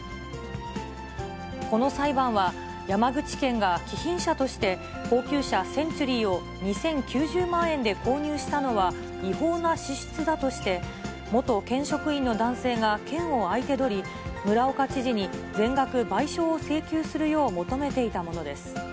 この裁判は、山口県が、貴賓車として高級車、センチュリーを２０９０万円で購入したのは違法な支出だとして、元県職員の男性が県を相手取り、村岡知事に全額賠償を請求するよう求めていたものです。